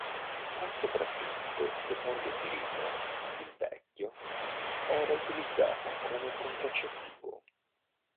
Ma soprattutto, secondo Plinio il Vecchio, era utilizzata come contraccettivo.